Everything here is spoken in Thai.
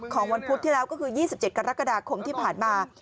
ของวันพุธที่แล้วก็คือยี่สิบเจ็ดกรกฎาคมที่ผ่านมา